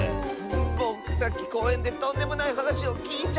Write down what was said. ぼくさっきこうえんでとんでもないはなしをきいちゃったッス。